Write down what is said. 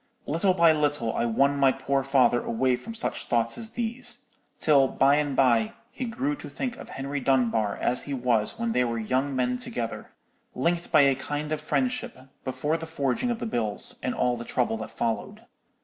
Little by little I won my poor father away from such thoughts as these: till by and by he grew to think of Henry Dunbar as he was when they were young men together, linked by a kind of friendship, before the forging of the bills, and all the trouble that followed.